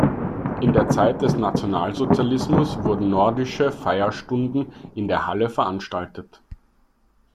In der Zeit des Nationalsozialismus wurden nordische Feierstunden in der Halle veranstaltet.